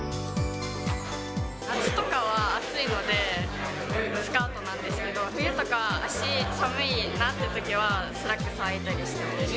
夏とかは暑いので、スカートなんですけど、冬とか、足寒いなっていうときはスラックスはいたりしてます。